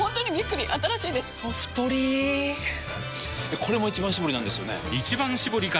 これも「一番搾り」なんですよね